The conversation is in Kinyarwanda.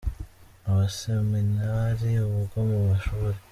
Abaseminari ubwo mu mashuri